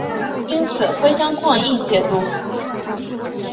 因此辉钼矿易解理。